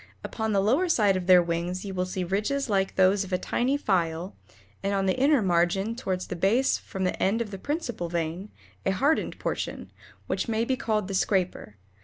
Upon the lower side of their wings you will see ridges like those of a tiny file, and on the inner margin toward the base from the end of the principal vein, a hardened portion, which may be called the scraper.